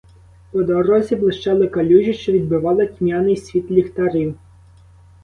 По дорозі блищали калюжі, що відбивали тьмяний світ ліхтарів.